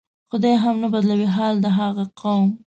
خدای هم نه بدلوي حال د هغه قوم